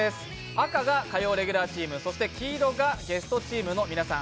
赤が火曜レギュラーチーム、黄色がゲストチームの皆さん。